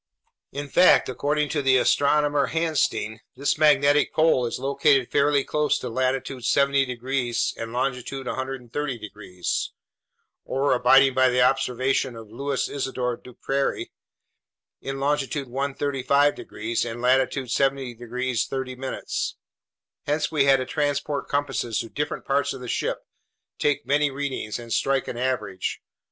In fact, according to the astronomer Hansteen, this magnetic pole is located fairly close to latitude 70 degrees and longitude 130 degrees, or abiding by the observations of Louis Isidore Duperrey, in longitude 135 degrees and latitude 70 degrees 30'. Hence we had to transport compasses to different parts of the ship, take many readings, and strike an average.